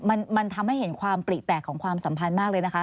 มันทำให้เห็นความปลีแตกของความสัมพันธ์มากเลยนะคะ